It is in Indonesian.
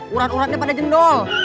urat uratnya pada jendol